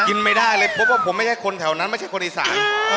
ไม่ได้เลยพบว่าผมไม่ใช่คนแถวนั้นไม่ใช่คนอีสาน